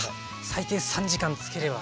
最低３時間漬ければ。